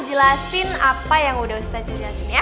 jelasin apa yang udah ustadz jelasin ya